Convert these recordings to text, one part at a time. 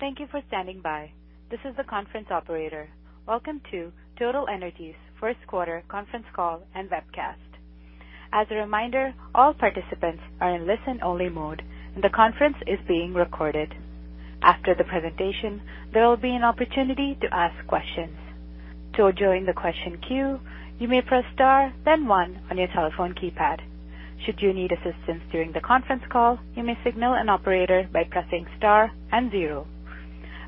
Thank you for standing by. This is the conference operator. Welcome to Total Energy Services' first quarter conference call and webcast. As a reminder, all participants are in listen-only mode, and the conference is being recorded. After the presentation, there will be an opportunity to ask questions. To join the question queue, you may press Star, then one on your telephone keypad. Should you need assistance during the conference call, you may signal an operator by pressing Star and zero.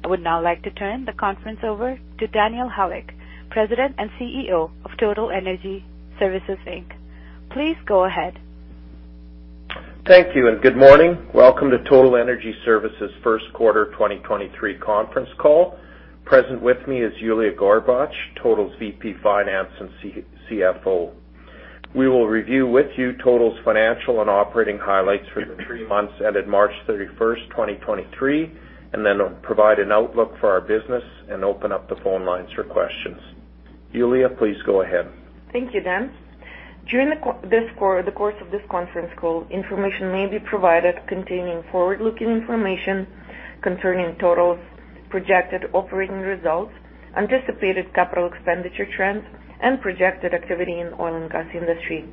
I would now like to turn the conference over to Daniel Halyk, President and CEO of Total Energy Services, Inc. Please go ahead. Thank you and good morning. Welcome to Total Energy Services first quarter 2023 conference call. Present with me is Yuliya Gorbach, Total's VP Finance and CFO. We will review with you Total's financial and operating highlights for the 3 months ended March 31st, 2023, and then provide an outlook for our business and open up the phone lines for questions. Yuliya, please go ahead. Thank you, Dan. During the course of this conference call, information may be provided containing forward-looking information concerning Total's projected operating results, anticipated capital expenditure trends, and projected activity in oil and gas industry.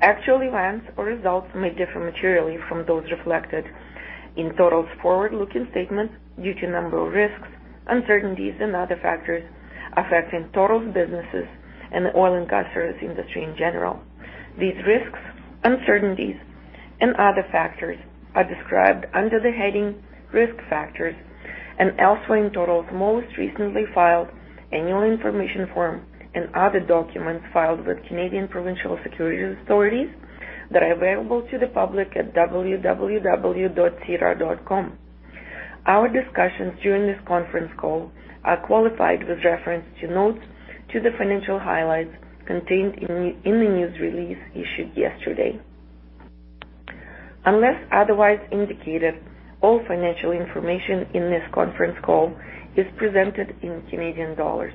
Actual events or results may differ materially from those reflected in Total's forward-looking statements due to a number of risks, uncertainties, and other factors affecting Total's businesses and the oil and gas industry in general. These risks, uncertainties, and other factors are described under the heading Risk Factors and elsewhere in Total's most recently filed annual information form and other documents filed with Canadian Provincial Securities Authorities that are available to the public at www.sedarplus.ca. Our discussions during this conference call are qualified with reference to notes to the financial highlights contained in the news release issued yesterday. Unless otherwise indicated, all financial information in this conference call is presented in Canadian dollars.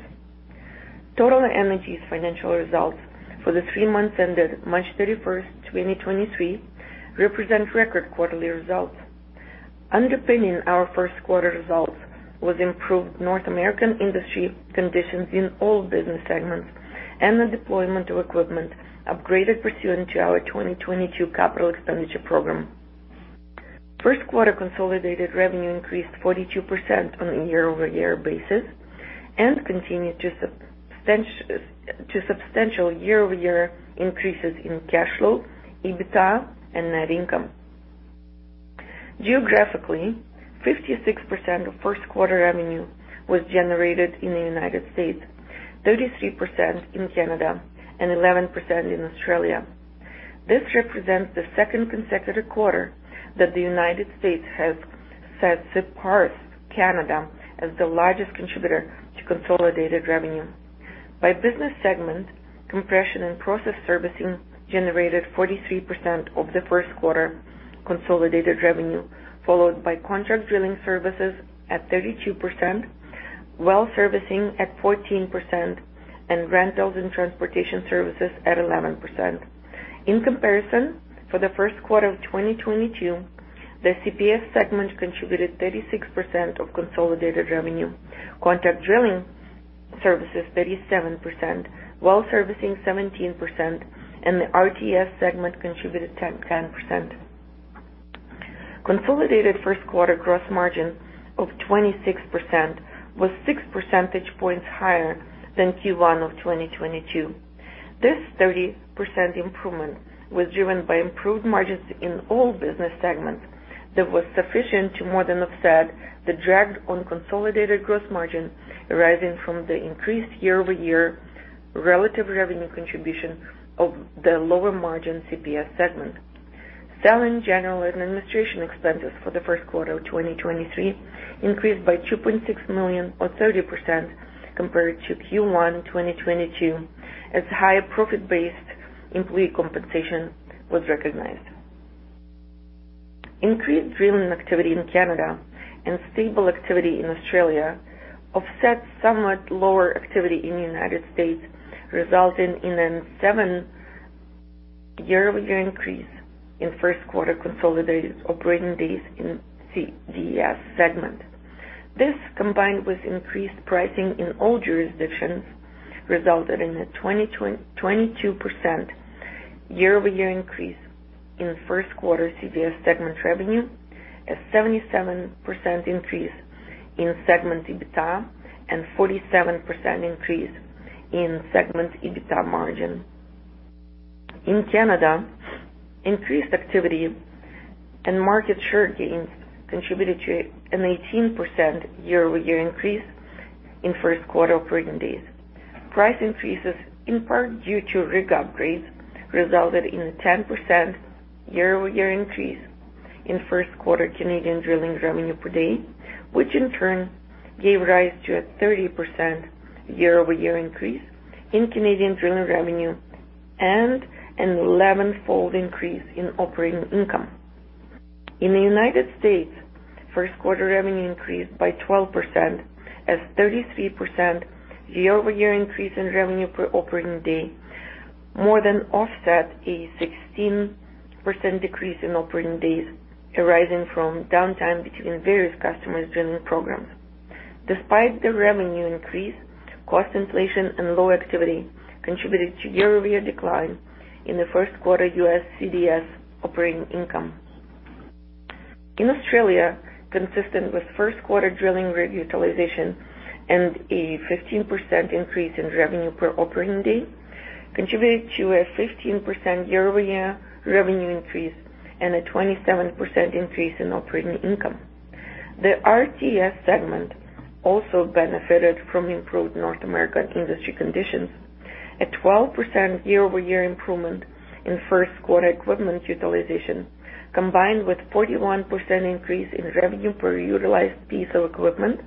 Total Energy's financial results for the 3 months ended March 31st, 2023, represent record quarterly results. Underpinning our first quarter results was improved North American industry conditions in all business segments and the deployment of equipment upgraded pursuant to our 2022 capital expenditure program. First quarter consolidated revenue increased 42% on a year-over-year basis and continued to substantial year-over-year increases in cash flow, EBITDA and net income. Geographically, 56% of first quarter revenue was generated in the United States, 33% in Canada, and 11% in Australia. This represents the second consecutive quarter that the United States has surpassed Canada as the largest contributor to consolidated revenue. By business segment, compression and process servicing generated 43% of the first quarter consolidated revenue, followed by contract drilling services at 32%, well servicing at 14%, and rentals and transportation services at 11%. In comparison, for the first quarter of 2022, the CPS segment contributed 36% of consolidated revenue, contract drilling services 37%, well servicing 17%, and the RTS segment contributed 10%. Consolidated first quarter gross margin of 26% was 6 percentage points higher than Q1 of 2022. This 30% improvement was driven by improved margins in all business segments that was sufficient to more than offset the drag on consolidated gross margin arising from the increased year-over-year relative revenue contribution of the lower margin CPS segment. Selling, general, and administration expenses for the first quarter of 2023 increased by 2.6 million or 30% compared to Q1 2022, as higher profit-based employee compensation was recognized. Increased drilling activity in Canada and stable activity in Australia offset somewhat lower activity in the United States, resulting in a 7% year-over-year increase in first quarter consolidated operating days in CDS segment. This, combined with increased pricing in all jurisdictions, resulted in a 22% year-over-year increase in first quarter CPS segment revenue, a 77% increase in segment EBITDA, and 47% increase in segment EBITDA margin. In Canada, increased activity and market share gains contributed to an 18% year-over-year increase in first quarter operating days. Price increases, in part due to rig upgrades, resulted in a 10% year-over-year increase in first quarter Canadian drilling revenue per day, which in turn gave rise to a 30% year-over-year increase in Canadian drilling revenue and an 11-fold increase in operating income. In the United States, first quarter revenue increased by 12% as 33% year-over-year increase in revenue per operating day more than offset a 16% decrease in operating days arising from downtime between various customers drilling programs. Despite the revenue increase, cost inflation and low activity contributed to year-over-year decline in the first quarter US CPS operating income. In Australia, consistent with first quarter drilling rig utilization and a 15% increase in revenue per operating day contributed to a 15% year-over-year revenue increase and a 27% increase in operating income. The RTS segment also benefited from improved North American industry conditions. A 12% year-over-year improvement in first quarter equipment utilization, combined with 41% increase in revenue per utilized piece of equipment,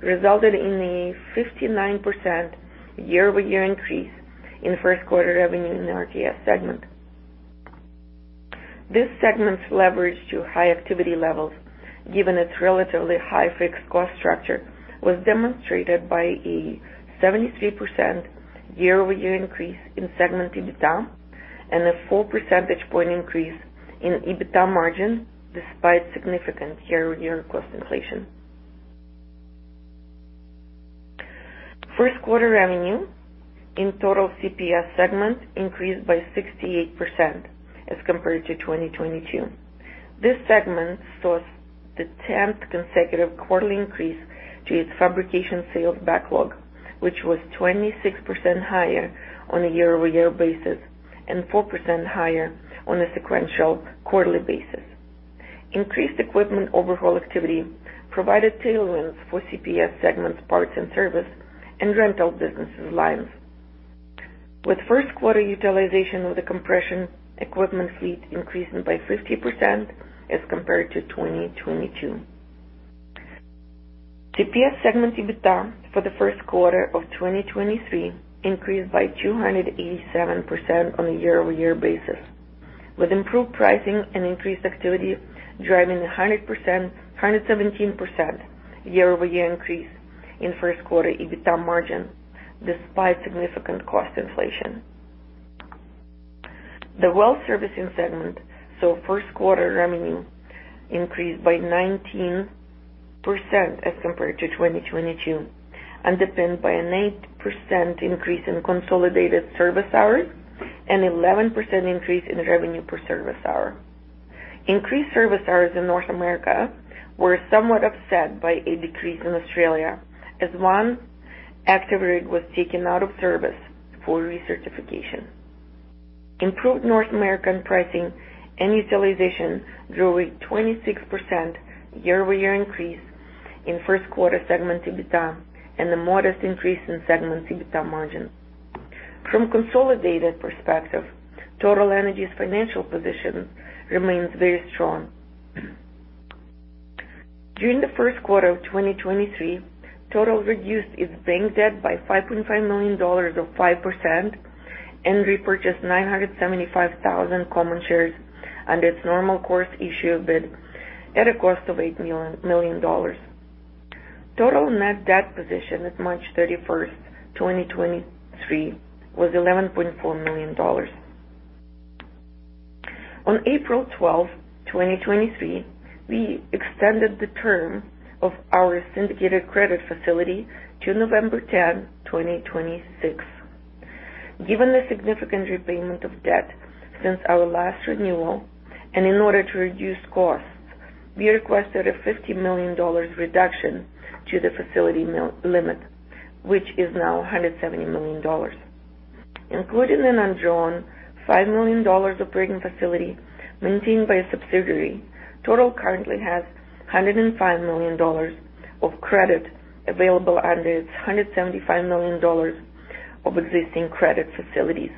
resulted in a 59% year-over-year increase in first quarter revenue in the RTS segment. This segment's leverage to high activity levels, given its relatively high fixed cost structure, was demonstrated by a 73% year-over-year increase in segment EBITDA and a 1 percentage point increase in EBITDA margin despite significant year-over-year cost inflation. First quarter revenue in Total CPS segment increased by 68% as compared to 2022. This segment saw the 10th consecutive quarterly increase to its fabrication sales backlog, which was 26% higher on a year-over-year basis and 4% higher on a sequential quarterly basis. Increased equipment overhaul activity provided tailwinds for CPS segments parts and service and rental businesses lines, with first quarter utilization of the compression equipment fleet increasing by 50% as compared to 2022. CPS segment EBITDA for the first quarter of 2023 increased by 287% on a year-over-year basis, with improved pricing and increased activity driving a 117% year-over-year increase in first quarter EBITDA margin despite significant cost inflation. The wealth servicing segment saw first quarter revenue increase by 19% as compared to 2022 and depend by an 8% increase in consolidated service hours and 11% increase in revenue per service hour. Increased service hours in North America were somewhat upset by a decrease in Australia as one active rig was taken out of service for recertification. Improved North American pricing and utilization drove a 26% year-over-year increase in first quarter segment EBITDA and a modest increase in segment EBITDA margin. From consolidated perspective, Total Energy's financial position remains very strong. During the first quarter of 2023, Total reduced its bank debt by 5.5 million dollars of 5% and repurchased 975,000 common shares under its normal course issuer bid at a cost of 8 million dollars. Total net debt position at March 31st, 2023 was CAD 11.4 million. On April 12th, 2023, we extended the term of our syndicated credit facility to November 10th, 2026. Given the significant repayment of debt since our last renewal and in order to reduce costs, we requested a 50 million dollars reduction to the facility limit, which is now 170 million dollars. Including an undrawn 5 million dollars operating facility maintained by a subsidiary, Total currently has 105 million dollars of credit available under its 175 million dollars of existing credit facilities.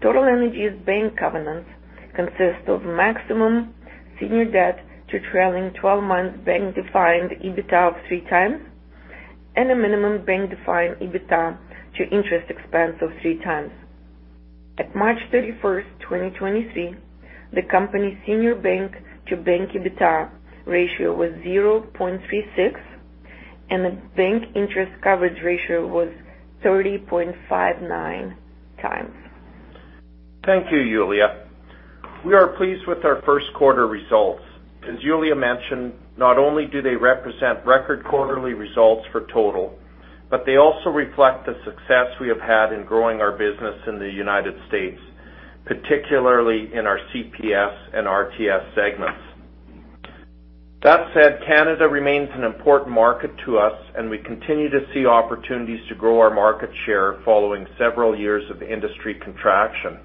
Total Energy's bank covenant consists of maximum senior debt to trailing twelve months bank-defined EBITDA of 3 times and a minimum bank-defined EBITDA to interest expense of 3 times. At March 31, 2023, the company's senior bank-to-bank EBITDA ratio was 0.36, and the bank interest coverage ratio was 30.59 times. Thank you, Yuliya. We are pleased with our first quarter results. As Yuliya mentioned, not only do they represent record quarterly results for Total, but they also reflect the success we have had in growing our business in the United States, particularly in our CPS and RTS segments. That said, Canada remains an important market to us and we continue to see opportunities to grow our market share following several years of industry contraction.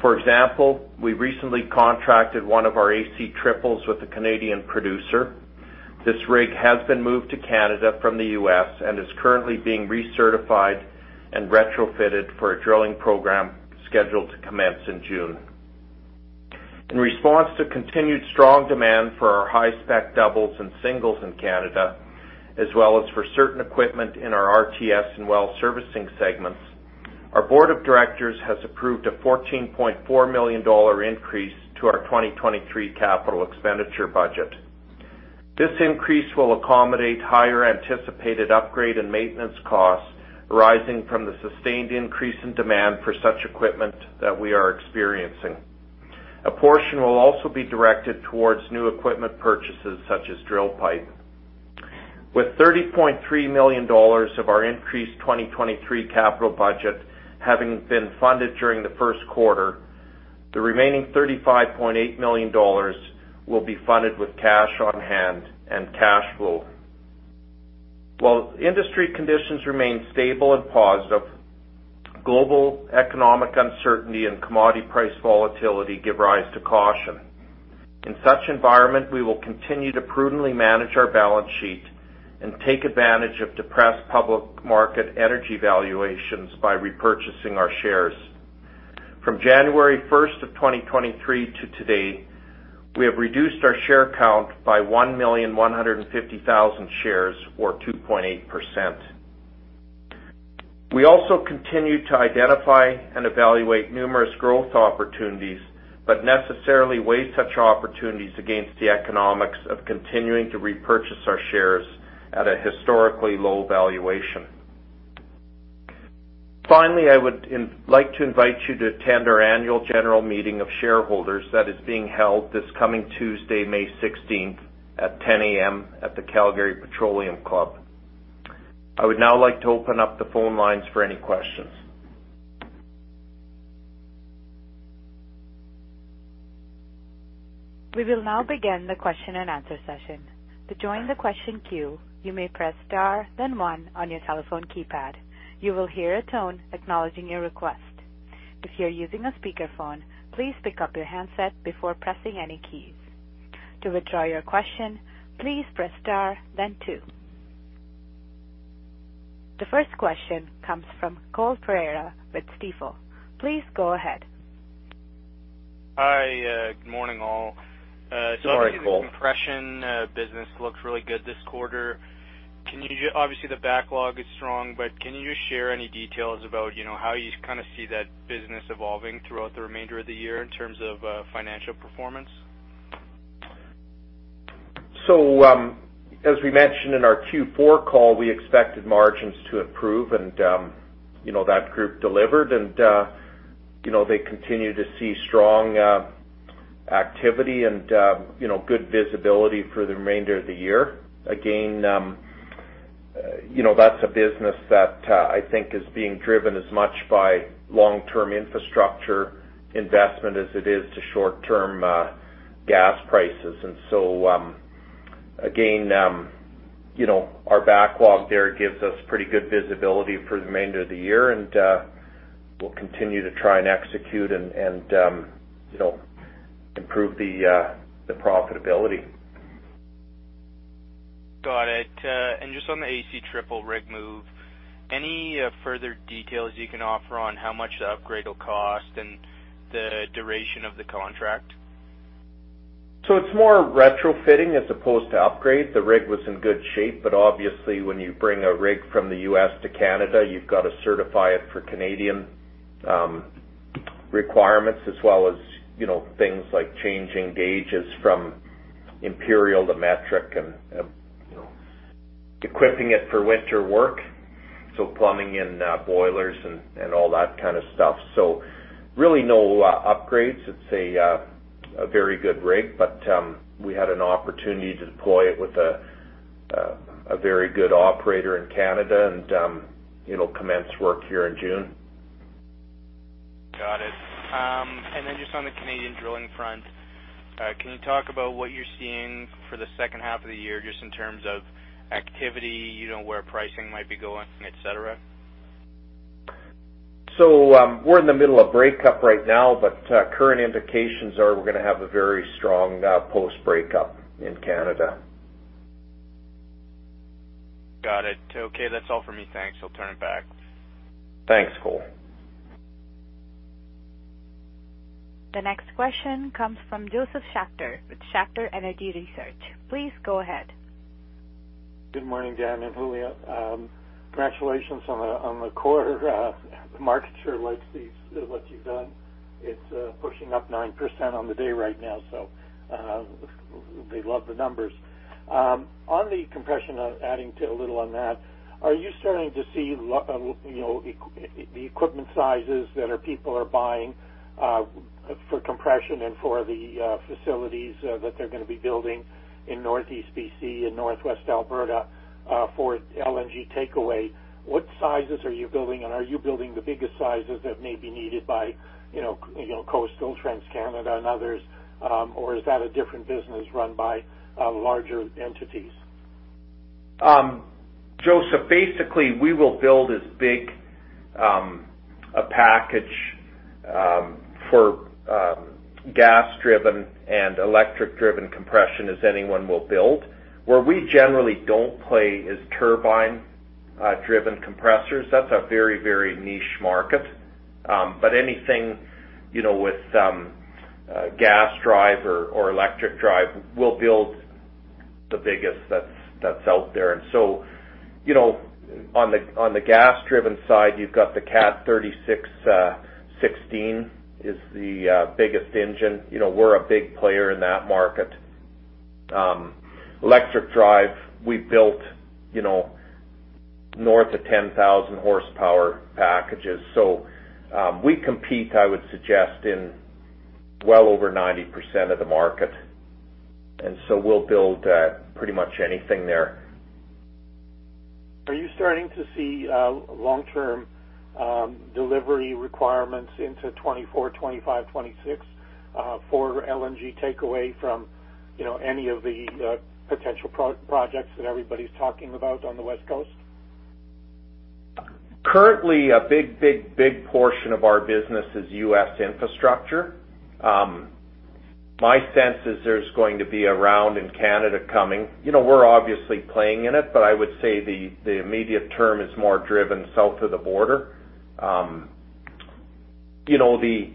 For example, we recently contracted one of our AC triples with a Canadian producer. This rig has been moved to Canada from the US and is currently being recertified and retrofitted for a drilling program scheduled to commence in June. In response to continued strong demand for our high-spec doubles and singles in Canada, as well as for certain equipment in our RTS and well servicing segments, our board of directors has approved a 14.4 million dollar increase to our 2023 capital expenditure budget. This increase will accommodate higher anticipated upgrade and maintenance costs arising from the sustained increase in demand for such equipment that we are experiencing. A portion will also be directed towards new equipment purchases such as drill pipe. With 30.3 million dollars of our increased 2023 capital budget having been funded during the first quarter, the remaining 35.8 million dollars will be funded with cash on hand and cash flow. While industry conditions remain stable and positive, global economic uncertainty and commodity price volatility give rise to caution. In such environment, we will continue to prudently manage our balance sheet and take advantage of depressed public market energy valuations by repurchasing our shares. From January 1st of 2023 to today, we have reduced our share count by 1,150,000 shares or 2.8%. We also continue to identify and evaluate numerous growth opportunities, but necessarily weigh such opportunities against the economics of continuing to repurchase our shares at a historically low valuation. Finally, I would like to invite you to attend our annual general meeting of shareholders that is being held this coming Tuesday, May 16th at 10:00 A.M. at the Calgary Petroleum Club. I would now like to open up the phone lines for any questions. We will now begin the question and answer session. To join the question queue, you may press star then one on your telephone keypad. You will hear a tone acknowledging your request. If you're using a speakerphone, please pick up your handset before pressing any keys. To withdraw your question, please press star then two. The first question comes from Cole Pereira with Stifel. Please go ahead. Hi. Good morning, all. Good morning, Cole. The compression business looks really good this quarter. Obviously, the backlog is strong, but can you just share any details about, you know, how you kind of see that business evolving throughout the remainder of the year in terms of financial performance? As we mentioned in our Q4 call, we expected margins to improve, you know, that group delivered, you know, they continue to see strong activity and, you know, good visibility for the remainder of the year. You know, that's a business that I think is being driven as much by long-term infrastructure investment as it is to short-term gas prices. You know, our backlog there gives us pretty good visibility for the remainder of the year, we'll continue to try and execute and improve the profitability. Got it. Just on the AC triple rig move, any further details you can offer on how much the upgrade will cost and the duration of the contract? It's more retrofitting as opposed to upgrade. The rig was in good shape, but obviously when you bring a rig from the US to Canada, you've got to certify it for Canadian requirements, as well as, you know, things like changing gauges from imperial to metric and you know, equipping it for winter work, so plumbing in boilers and all that kind of stuff. Really no upgrades. It's a very good rig, but we had an opportunity to deploy it with a very good operator in Canada, and it'll commence work here in June. Got it. Just on the Canadian drilling front, can you talk about what you're seeing for the second half of the year, just in terms of activity, you know, where pricing might be going, et cetera? We're in the middle of breakup right now, but current indications are we're gonna have a very strong post breakup in Canada. Got it. Okay. That's all for me. Thanks. I'll turn it back. Thanks, Cole. The next question comes from Josef Schachter with Schachter Energy Research. Please go ahead. Good morning, Dan and Julio. Congratulations on the quarter. The markets sure likes what you've done. It's pushing up 9% on the day right now, they love the numbers. On the compression, adding to a little on that, are you starting to see you know, equipment sizes that people are buying for compression and for the facilities that they're gonna be building in northeast BC and northwest Alberta for LNG takeaway? What sizes are you building, and are you building the biggest sizes that may be needed by, you know, TC Energy and others? Or is that a different business run by larger entities? Josef, basically, we will build as big a package for gas-driven and electric-driven compression as anyone will build. Where we generally don't play is turbine driven compressors. That's a very, very niche market. But anything, you know, with gas drive or electric drive, we'll build the biggest that's out there. you know, on the gas-driven side, you've got the Cat 3616 is the biggest engine. You know, we're a big player in that market. Electric drive, we built, you know, north of 10,000 horsepower packages. We compete, I would suggest, in well over 90% of the market, and so we'll build pretty much anything there. Are you starting to see, long-term, delivery requirements into 2024, 2025, 2026, for LNG takeaway from, you know, any of the potential projects that everybody's talking about on the West Coast? Currently, a big portion of our business is US infrastructure. My sense is there's going to be a round in Canada coming. You know, we're obviously playing in it, but I would say the immediate term is more driven south of the border. You know, the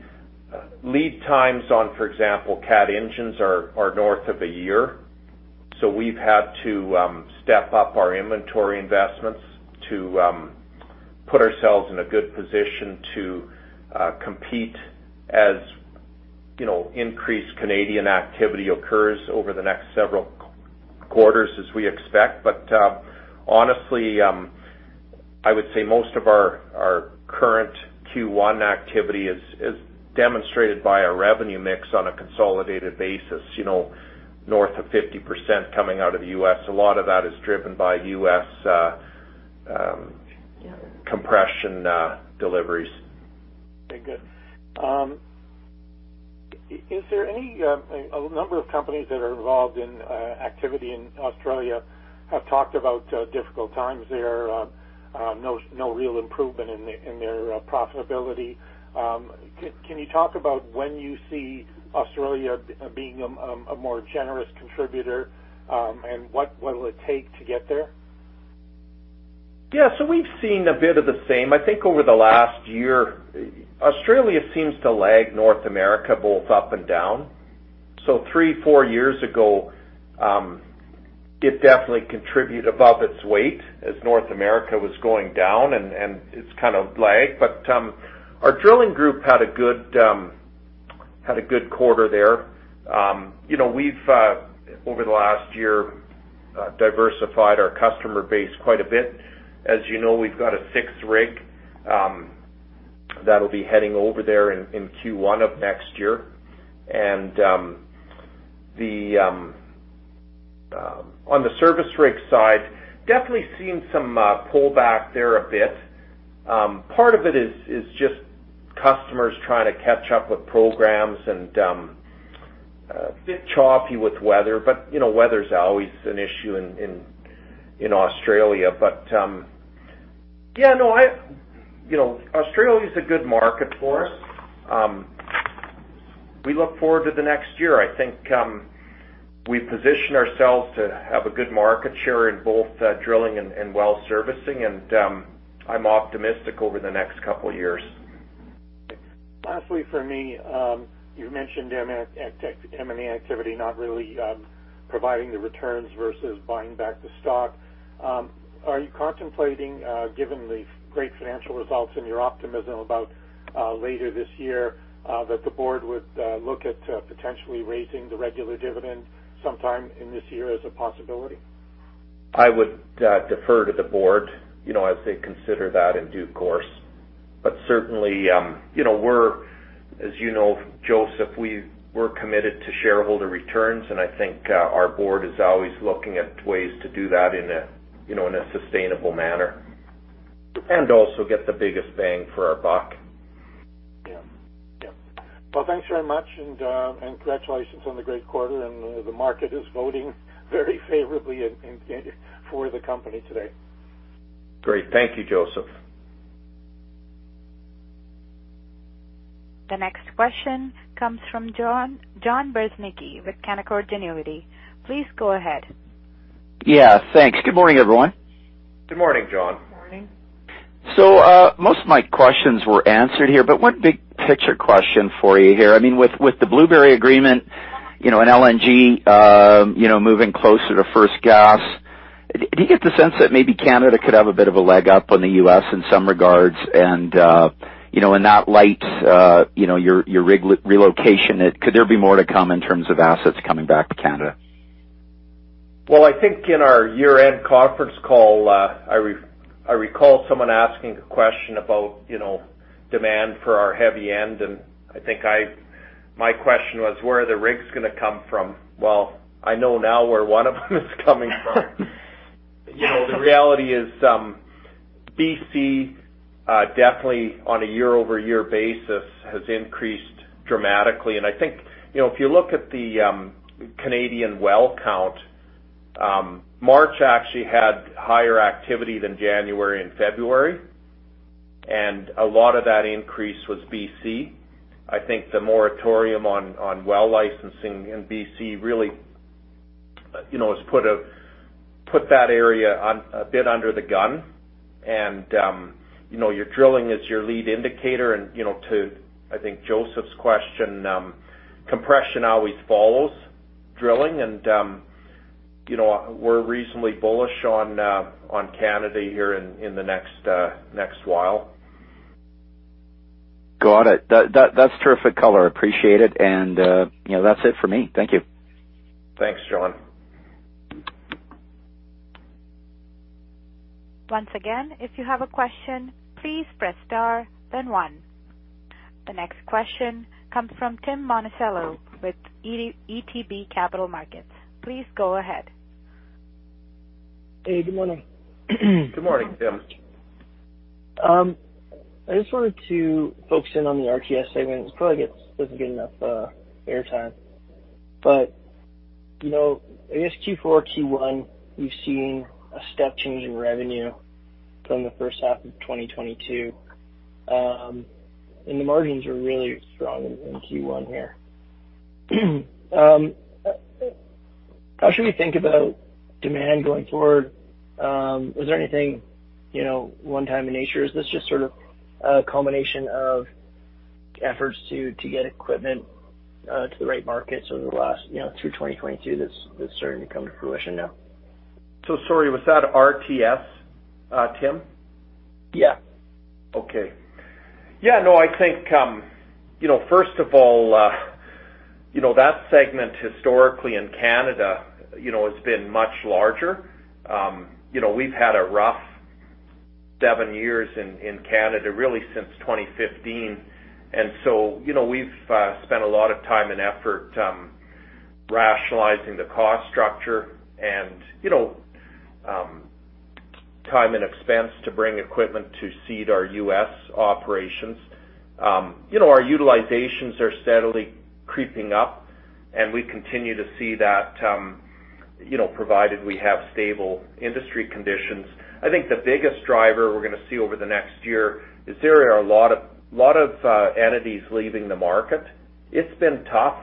lead times on, for example, Cat engines are north of a year, so we've had to step up our inventory investments to put ourselves in a good position to compete as, you know, increased Canadian activity occurs over the next several quarters as we expect. Honestly, I would say most of our current Q1 activity is demonstrated by our revenue mix on a consolidated basis, you know, north of 50% coming out of the US A lot of that is driven by US compression deliveries. Good. Is there any, a number of companies that are involved in activity in Australia have talked about difficult times there, no real improvement in their profitability. Can you talk about when you see Australia being a more generous contributor, and what will it take to get there? We've seen a bit of the same. I think over the last year, Australia seems to lag North America both up and down. Three, four years ago, it definitely contribute above its weight as North America was going down, and it's kind of lag. Our drilling group had a good quarter there. You know, we've over the last year, diversified our customer base quite a bit. As you know, we've got a 6th rig that'll be heading over there in Q1 of next year. On the service rig side, definitely seen some pullback there a bit. Part of it is just customers trying to catch up with programs and a bit choppy with weather. You know, weather's always an issue in Australia. Yeah, no, you know, Australia is a good market for us. We look forward to the next year. I think, we position ourselves to have a good market share in both drilling and well servicing, and I'm optimistic over the next couple of years. Lastly, for me, you mentioned, M&A, M&A activity not really providing the returns versus buying back the stock. Are you contemplating, given the great financial results and your optimism about later this year, that the board would look at potentially raising the regular dividend sometime in this year as a possibility? I would defer to the board, you know, as they consider that in due course. Certainly, you know, as you know, Josef Schachter, we're committed to shareholder returns, and I think, our board is always looking at ways to do that in a, you know, in a sustainable manner and also get the biggest bang for our buck. Yeah. Yeah. Well, thanks very much, congratulations on the great quarter, the market is voting very favorably in for the company today. Great. Thank you, Josef. The next question comes from John Bereznicki with Canaccord Genuity. Please go ahead. Yeah, thanks. Good morning, everyone. Good morning, John. Good morning. Most of my questions were answered here, but one big picture question for you here. I mean, with the Blueberry agreement, you know, and LNG, you know, moving closer to first gas, do you get the sense that maybe Canada could have a bit of a leg up on the US in some regards? In that light, you know, your rig relocation, could there be more to come in terms of assets coming back to Canada? I think in our year-end conference call, I recall someone asking a question about, you know, demand for our heavy end, and I think my question was, where are the rigs gonna come from? I know now where one of them is coming from. You know, the reality is, B.C., definitely on a year-over-year basis, has increased dramatically. I think, you know, if you look at the Canadian well count, March actually had higher activity than January and February, and a lot of that increase was B.C. I think the moratorium on well licensing in B.C. really, you know, has put that area on, a bit under the gun. You know, your drilling is your lead indicator and, you know, to, I think, Josef's question, compression always follows. Drilling and, you know, we're reasonably bullish on Canada here in the next next while. Got it. That's terrific color. Appreciate it. You know, that's it for me. Thank you. Thanks, John. Once again, if you have a question, please press star, then one. The next question comes from Tim Monachello with ATB Capital Markets. Please go ahead. Hey, good morning. Good morning, Tim. I just wanted to focus in on the RTS segment. It probably doesn't get enough airtime. You know, I guess Q4, Q1, we've seen a step change in revenue from the first half of 2022. The margins are really strong in Q1 here. How should we think about demand going forward? Was there anything, you know, one time in nature? Is this just sort of a culmination of efforts to get equipment to the right markets over the last, you know, through 2022 that's starting to come to fruition now? Sorry, was that RTS, Tim? Yeah. Okay. Yeah, no, I think, you know, first of all, you know, that segment historically in Canada, you know, has been much larger. You know, we've had a rough 7 years in Canada, really since 2015. You know, we've spent a lot of time and effort rationalizing the cost structure and, you know, time and expense to bring equipment to seed our US operations. You know, our utilizations are steadily creeping up, and we continue to see that, you know, provided we have stable industry conditions. I think the biggest driver we're gonna see over the next year is there are a lot of entities leaving the market. It's been tough.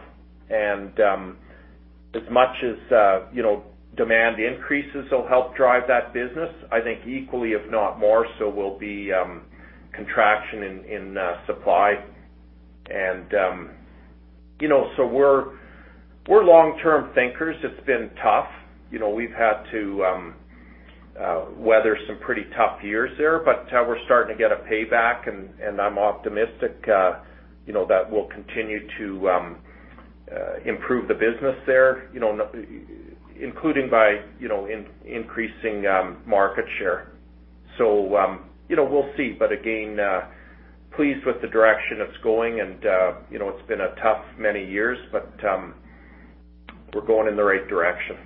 As much as, you know, demand increases will help drive that business, I think equally, if not more so, will be contraction in supply. You know, we're long-term thinkers. It's been tough. You know, we've had to weather some pretty tough years there, but we're starting to get a payback, and I'm optimistic, you know, that we'll continue to improve the business there, you know, including by, you know, increasing market share. You know, we'll see. Again, pleased with the direction it's going and, you know, it's been a tough many years, but we're going in the right direction.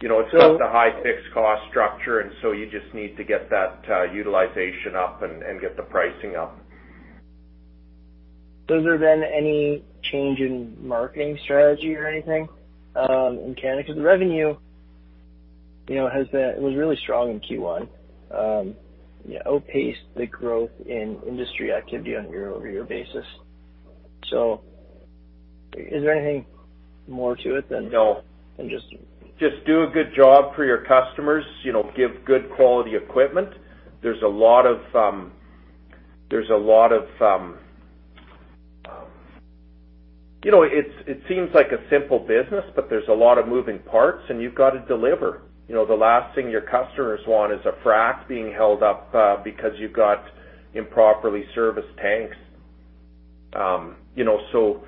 You know, it's not the high fixed cost structure, you just need to get that utilization up and get the pricing up. Has there been any change in marketing strategy or anything, in Canada? The revenue, you know, has been... It was really strong in Q1. You know, outpaced the growth in industry activity on a year-over-year basis. Is there anything more to it than- No. just- Just do a good job for your customers. You know, give good quality equipment. You know, it's, it seems like a simple business, but there's a lot of moving parts, and you've got to deliver. You know, the last thing your customers want is a frack being held up, because you've got improperly serviced tanks. You know, so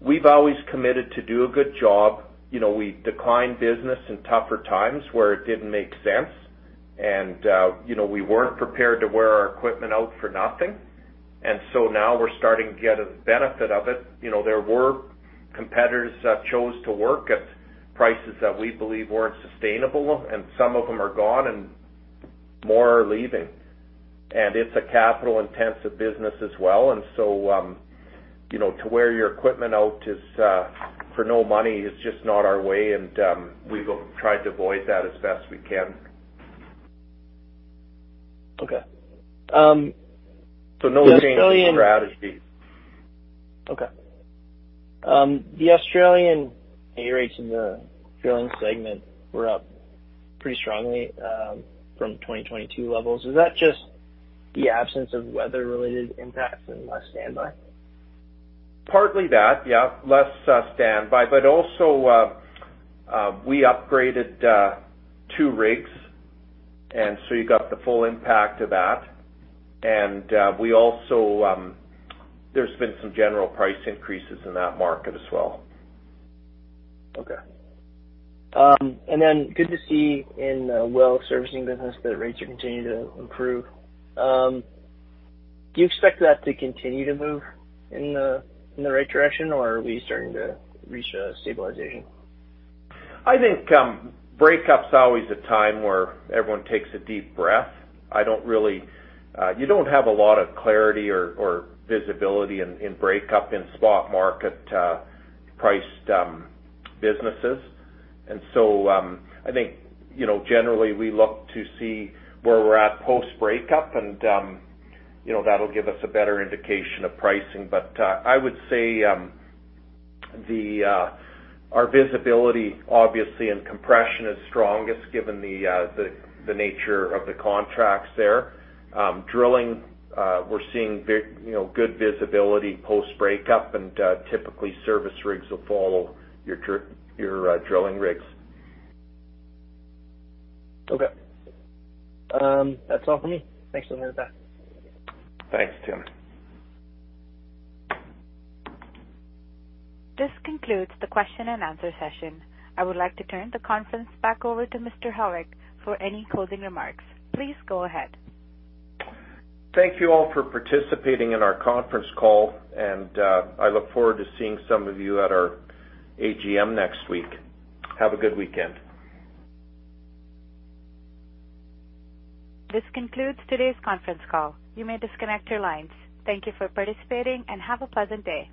we've always committed to do a good job. You know, we declined business in tougher times where it didn't make sense. You know, we weren't prepared to wear our equipment out for nothing. Now we're starting to get a benefit of it. You know, there were competitors that chose to work at prices that we believe weren't sustainable, some of them are gone and more are leaving. It's a capital-intensive business as well. You know, to wear your equipment out just for no money is just not our way, and we will try to avoid that as best we can. Okay. No change in strategies. Okay. The Australian rates in the drilling segment were up pretty strongly from 2022 levels. Is that just the absence of weather-related impacts and less standby? Partly that, yeah, less, standby, but also, we upgraded, two rigs, and so you got the full impact of that. We also, there's been some general price increases in that market as well. Okay. Good to see in the well servicing business that rates are continuing to improve. Do you expect that to continue to move in the, in the right direction, or are we starting to reach a stabilization? I think, breakup's always a time where everyone takes a deep breath. I don't really. You don't have a lot of clarity or visibility in breakup in spot market priced businesses. I think, you know, generally we look to see where we're at post-breakup, and, you know, that'll give us a better indication of pricing. I would say, our visibility, obviously, and compression is strongest given the nature of the contracts there. Drilling, we're seeing you know, good visibility post-breakup, and typically service rigs will follow your drilling rigs. That's all for me. Thanks so much for that. Thanks, Tim. This concludes the question and answer session. I would like to turn the conference back over to Mr. Halyk for any closing remarks. Please go ahead. Thank you all for participating in our conference call, and I look forward to seeing some of you at our AGM next week. Have a good weekend. This concludes today's conference call. You may disconnect your lines. Thank you for participating. Have a pleasant day.